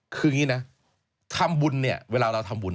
คืออย่างนี้นะทำบุญเนี่ยเวลาเราทำบุญ